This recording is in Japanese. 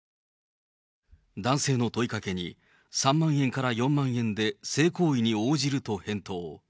男性の問いかけに、３万円から４万円で性行為に応じると返答。